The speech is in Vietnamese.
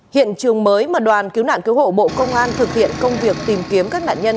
hiện trường mới mà đoàn cứu nạn cứu hộ bộ công an thực hiện công việc tìm kiếm các nạn nhân